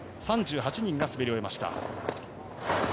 ３８人が滑り終えました。